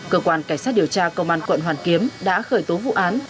cơ quan cảnh sát điều tra công an quận hoàn kiếm đã khởi tố vụ án